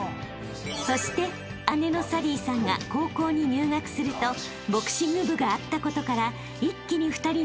［そして姉の紗鈴依さんが高校に入学するとボクシング部があったことから一気に２人の競技を転向］